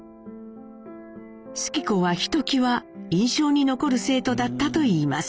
主基子はひときわ印象に残る生徒だったといいます。